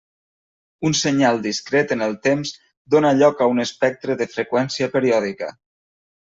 Un senyal discret en el temps dóna lloc a un espectre de freqüència periòdica.